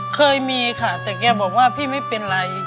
เคยมีค่ะแต่แกบอกว่าพี่ไม่เป็นไร